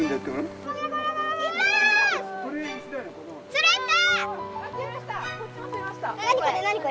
釣れた！